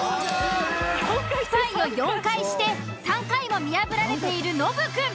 スパイを４回して３回も見破られているノブくん。